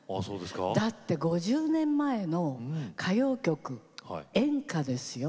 だって５０年前の歌謡曲演歌ですよ。